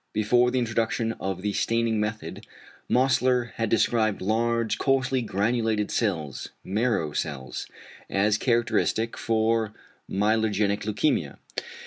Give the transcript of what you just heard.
= Before the introduction of the staining method, Mosler had described large, coarsely granulated cells, "marrow cells," as characteristic for myelogenic leukæmia.